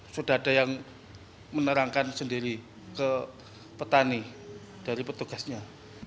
sudah ada yang menerangkan sendiri ke petani dari petugasnya